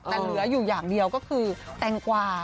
แต่เหลืออยู่อย่างเดียวก็คือแตงกวา